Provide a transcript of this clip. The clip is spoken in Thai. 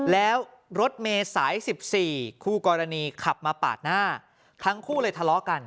แล้วรถเมย์สาย๑๔คู่กรณีขับมาปาดหน้าทั้งคู่เลยทะเลาะกัน